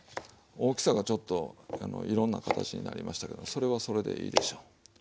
大きさがちょっといろんな形になりましたけどそれはそれでいいでしょう。